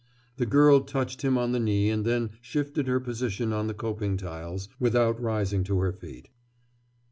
The girl touched him on the knee and then shifted her position on the coping tiles, without rising to her feet.